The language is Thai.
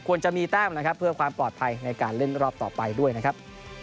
จะมีแต้มนะครับเพื่อความปลอดภัยในการเล่นรอบต่อไปด้วยนะครับ